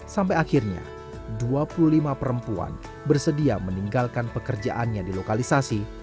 sampai akhirnya dua puluh lima perempuan bersedia meninggalkan pekerjaannya di lokalisasi